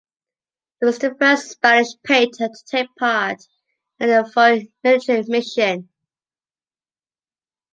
He was the first Spanish painter to take part in a foreign military mission.